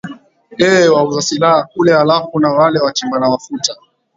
ee wauza silaha kule halafu na wale wachimba mafuta